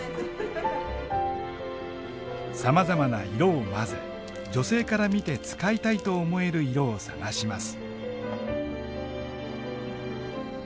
さまざまな色を混ぜ女性から見て使いたいと思える色を探します。